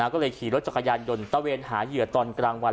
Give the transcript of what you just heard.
ก็เลยขี่รถจักรยานยนต์ตะเวนหาเหยื่อตอนกลางวัน